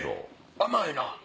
甘いな。